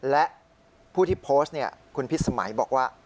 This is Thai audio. และผู้ที่โพสต์คุณพิษสมัยบอกว่า